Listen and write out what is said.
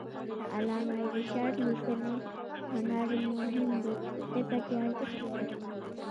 د علامه رشاد لیکنی هنر مهم دی ځکه چې ارزښت لوړوي.